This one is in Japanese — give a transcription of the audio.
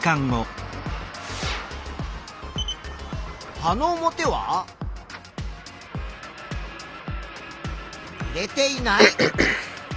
葉の表はぬれていない。